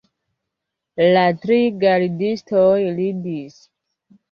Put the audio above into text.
La tri gardistoj ridis.